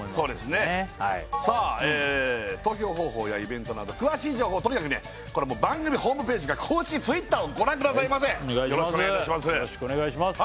投票方法やイベントなど詳しい情報とにかくね番組ホームページか公式Ｔｗｉｔｔｅｒをご覧くださいませよろしくお願いします